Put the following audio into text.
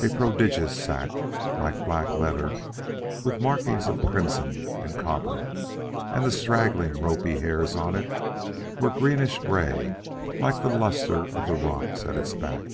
A prodigious sack, like black leather, with markings of crimson and copper! and the straggling, ropy hairs on it were greenish gray like the lustre of the rocks at its back.